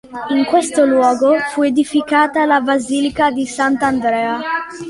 In questo luogo, fu edificata la Basilica di Sant'Andrea.